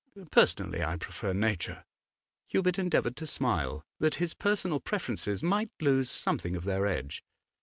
Personally, I prefer nature.' Hubert endeavoured to smile, that his personal preferences might lose something of their edge.